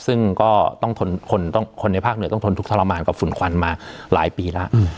ซึ่งก็ต้องคนในภาคเหนือต้องทนทุกขรมานกับฝุ่นควันมาหลายปีแล้ว